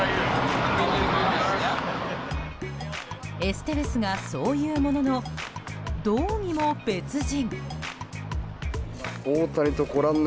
エステベスがそう言うものの、どうにも別人。